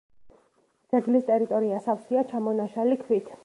ძეგლის ტერიტორია სავსეა ჩამონაშალი ქვით.